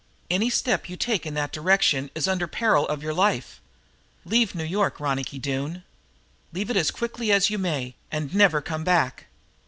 Any step you take in that direction is under peril of your life. Leave New York, Ronicky Doone. Leave it as quickly as you may, and never come back.